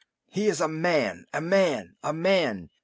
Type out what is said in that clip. "He is a man a man a man!"